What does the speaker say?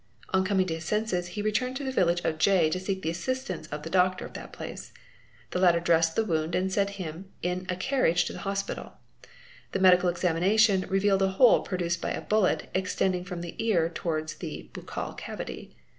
On coming to his senses he returned to the village of J to seek the assistance of the doctor of that place. The latter dressed the wound and sent him in a carriage to the hospital. The medical examination revealed a hole produced by a bullet extending from the ear towards the buccal cavity.